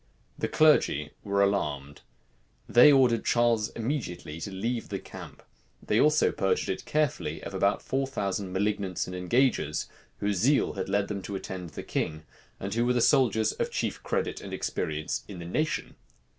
The clergy were alarmed. They ordered Charles immediately to leave the camp. They also purged it carefully of about four thousand malignants and engagers whose zeal had led them to attend the king, and who were the soldiers of chief credit and experience in the nation.